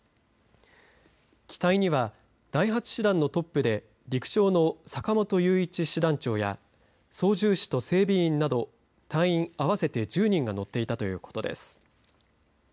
機体には、第８師団のトップで陸将の坂本雄一師団長や操縦士と整備員など隊員合わせて１０人が乗っていたということです。